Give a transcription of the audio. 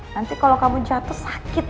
nanti kalau kamu jatuh sakit